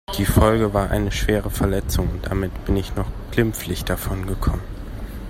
Die Folge war eine schwere Verletzung und damit bin ich noch glimpflich davon gekommen.